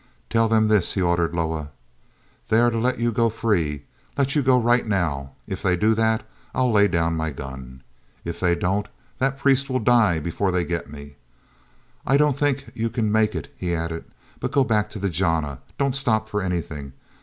"Tell them this," he ordered Loah: "they are to let you go free—let you go right now! If they do that, I'll lay down my gun. If they don't, that priest will die before they get me. I don't think you can make it," he added, "but go back to the jana. Don't stop for anything.